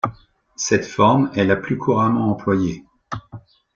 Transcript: Cette forme est la plus couramment employée.